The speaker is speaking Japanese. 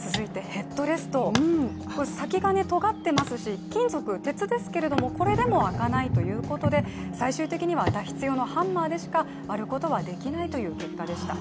続いてヘッドレスト、先がとがってますし金属、鉄ですけれどもこれでも開かないということで、最終的には脱出用のハンマーでしか割ることができないという結果でした。